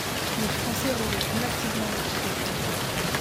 Les Français rejettent massivement votre politique.